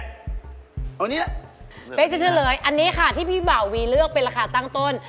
เอาละเป๊กจะเฉลยอันนี้ค่ะที่พี่บ่าวีเลือกเป็นราคาตั้งต้น